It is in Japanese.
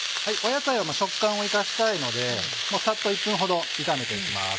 野菜は食感を生かしたいのでさっと１分ほど炒めて行きます。